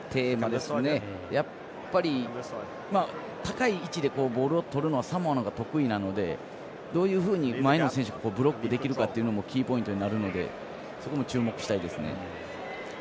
やっぱり高い位置でボールをとるのはサモアのほうが得意なのでどういうふうに前の選手をブロックできるかっていうのがキーポイントになるのでそこも注目したいですね。